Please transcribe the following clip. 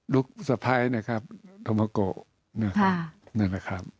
ลูกสไพต์นะครับธมโมโก